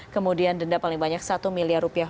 kemudian denda paling banyak satu miliar rupiah